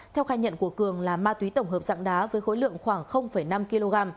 theo khai nhận của cường là ma túy tổng hợp dạng đá với khối lượng khoảng năm kg